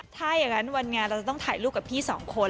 ถ้าอย่างนั้นวันงานเราจะต้องถ่ายรูปกับพี่สองคน